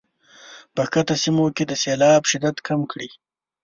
په ښکته سیمو کې د سیلاب شدت کم کړي.